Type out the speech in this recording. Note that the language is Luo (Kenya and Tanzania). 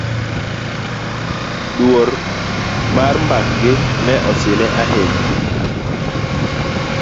dwol mar mbakgi ne osine ahinya